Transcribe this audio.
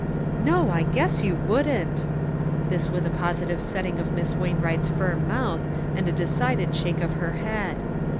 " No, I guess you wouldn't !" This with a positive setting of Miss Wainwright's firm mouth, and a decided shake of her head.